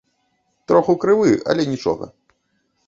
Троху крывы, але нічога.